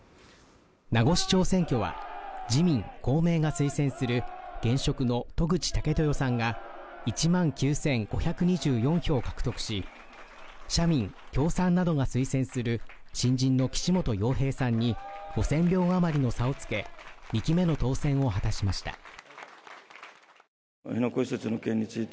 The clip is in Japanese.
名護市長選挙は自民・公明が推薦する現職の渡具知武豊さんが１万９５２４票を獲得し社民・共産などが推薦する新人の岸本洋平さんに、５０００票あまりの差をつけ２期目の当選を果たしました。